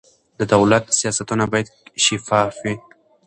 د دولت سیاستونه باید شفاف وي